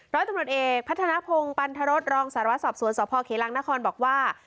ร้อยตำรวจเอกพัฒนภงปันทรศรองศาลวะสอบสวนสอบพ่อเครียรังนครบอกว่า